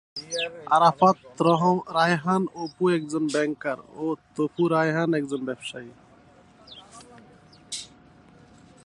আরাফাত রায়হান অপু একজন ব্যাংকার ও তপু রায়হান একজন ব্যবসায়ী।